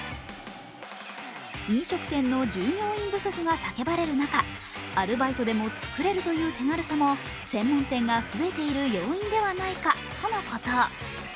飲食店の従業員不足が叫ばれる中、アルバイトでも作れるという手軽さも専門店が増えている要因ではないかとのこと。